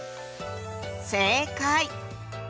正解！